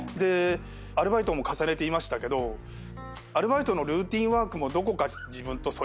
アルバイトも重ねていましたけどアルバイトのルーティンワークもどこか自分と反りが合わない。